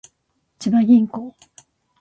千葉銀行